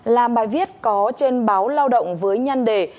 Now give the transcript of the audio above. là bài viết có trên báo lao động với nhăn đề